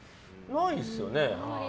ないですよね。